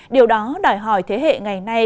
điều đó đòi hỏi thế hệ ngày nay